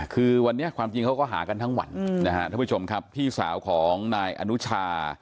คือวันนี้ความจริงเขาก็หากันทั้งวันนะฮะท่านผู้ชมครับพี่สาวของนายอนุชา